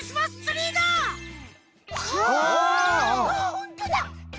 ほんとだ！